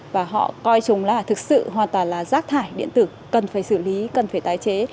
và họ coi chúng là thực sự hoàn toàn là rác thải điện tử cần phải xử lý cần phải tái chế